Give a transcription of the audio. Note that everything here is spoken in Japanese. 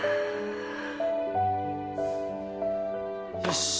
よし！